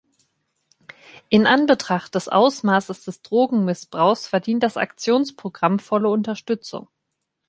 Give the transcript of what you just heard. In Anbetracht des Ausmaßes des Drogenmissbrauchs verdient das Aktionsprogramm volle Unterstützung.